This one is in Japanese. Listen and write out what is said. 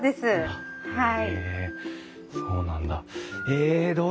あっはい。